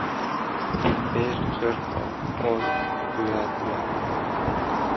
• Ber ― qo‘rqma, ol ― uyatma!